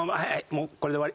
もうこれで終わり！